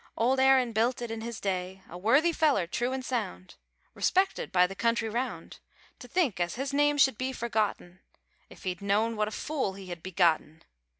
Old Aaron built it in his day, A worthy feller true an' sound, Respected by the country round; To think as his name should be forgotten! If he'd known what a fool he had begotten!